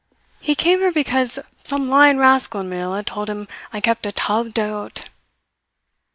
He came here because some lying rascal in Manila told him I kept a table d'hote."